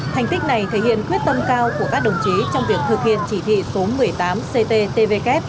thành tích này thể hiện quyết tâm cao của các đồng chí trong việc thực hiện chỉ thị số một mươi tám cttvk